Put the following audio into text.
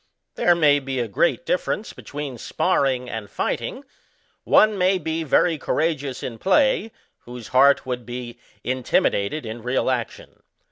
I'here may be a great difference between sparring and fighting ; one may be very courageous in play, whose heart would be intimidated in real action.